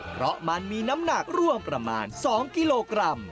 เพราะมันมีน้ำหนักร่วมประมาณ๒กิโลกรัม